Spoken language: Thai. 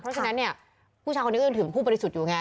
เพราะฉะนั้นเนี่ยผู้ชายคนนี้ก็ยังถึงผู้บริสุทธิ์อยู่ไง